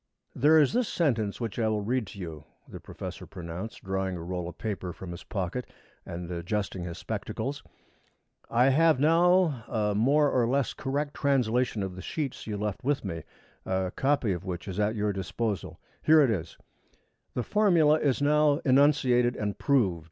"There is this sentence which I will read to you," the professor pronounced, drawing a roll of paper from his pocket and adjusting his spectacles. "I have now a more or less correct translation of the sheets you left with me, a copy of which is at your disposal. Here it is: '_The formula is now enunciated and proved.